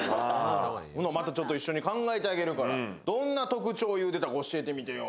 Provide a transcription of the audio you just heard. ほな、またちょっと一緒に考えてあげるからどんな特徴言うてたか教えてよ。